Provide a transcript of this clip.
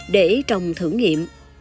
để trồng thử nghiệm